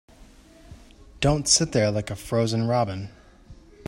Don't sit there like a frozen robin.